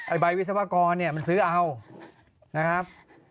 ไอ้ใบวิศวกรมันซื้อเอานะครับ